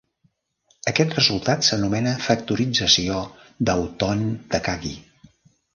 Aquest resultat s'anomena factorització d'Autonne-Takagi.